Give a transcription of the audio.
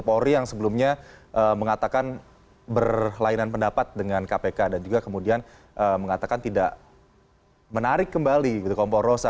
polri yang sebelumnya mengatakan berlainan pendapat dengan kpk dan juga kemudian mengatakan tidak menarik kembali gitu kompor rosa